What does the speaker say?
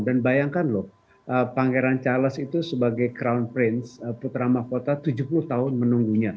dan bayangkan loh pangeran charles itu sebagai crown prince putra makwota tujuh puluh tahun menunggunya